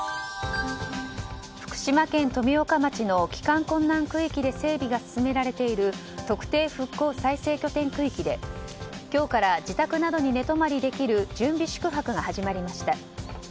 福島県富岡町の帰還困難区域で整備が進められている特定復興再生拠点区域で今日から自宅などに寝泊まりできる準備宿泊が始まりました。